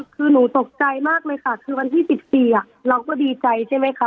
คือหนูตกใจมากเลยค่ะคือวันที่๑๔เราก็ดีใจใช่ไหมคะ